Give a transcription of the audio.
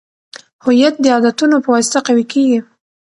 هویت د عادتونو په واسطه قوي کیږي.